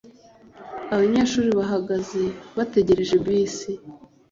Abanyeshuri bahagaze bategereje bisi.